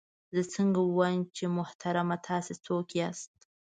زه څنګه ووایم چې محترمه تاسې څوک یاست؟